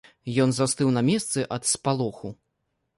Ён застыў на месцы ад спалоху.